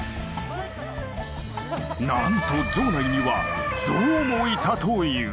なんと城内には象もいたという。